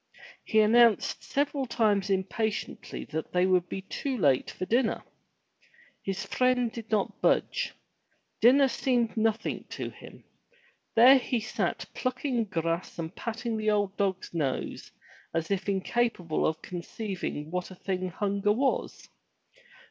He announced several times impatiently that they would be too late for dinner. His friend did not budge. Dinner seemed nothing to him. There he sat plucking grass and patting the old dog's nose as if incapable of conceiving what a thing hunger was.